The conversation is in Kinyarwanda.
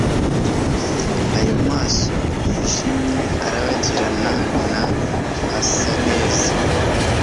ayo maso yijimye arabagirana na asa neza